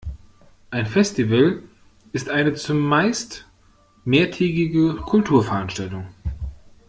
Ein Festival ist eine zumeist mehrtägige Kulturveranstaltung